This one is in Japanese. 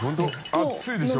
熱いでしょ。